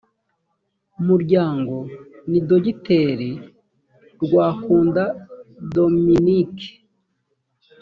muryango ni dogiteri rwakunda dominique